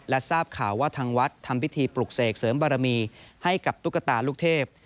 ทราบข่าวว่าทางวัดทำพิธีปลุกเสกเสริมบารมีให้กับตุ๊กตาลูกเทพ